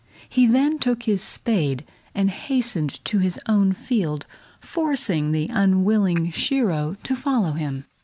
He then took his spade and hastened to his own field, forcing the unwilling Shiro to follow him.